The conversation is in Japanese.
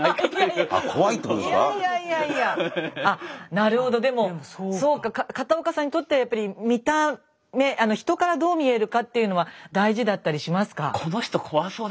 なるほどでもそうか片岡さんにとってはやっぱり見た目人からどう見えるかっていうのは大事だったりしますか？